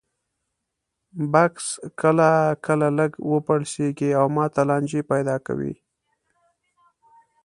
بکس کله کله لږ وپړسېږي او ماته لانجې پیدا کوي.